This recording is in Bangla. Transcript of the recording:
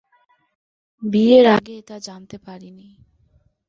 বিয়ের আগে তা জানতে পারি নি।